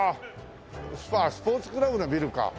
あっスポーツクラブのビルか。